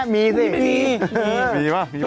มีมีมาก